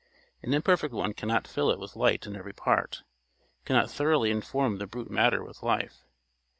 An imperfect one cannot fill it with light in every part cannot thoroughly inform the brute matter with life.